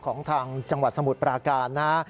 ของทางจังหวัดสมุทรปราการนะฮะ